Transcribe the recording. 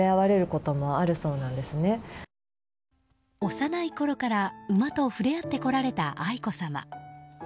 幼いころから馬と触れ合ってこられた愛子さま。